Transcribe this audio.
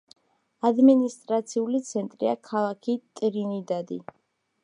ადმინისტრაციული ცენტრია ქალაქი ტრინიდადი.